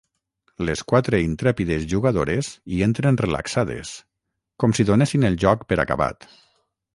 Les quatre intrèpides jugadores hi entren relaxades, com si donessin el joc per acabat.